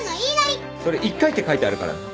それ１回って書いてあるからな。